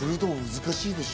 難しいでしょ？